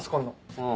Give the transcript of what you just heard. うん。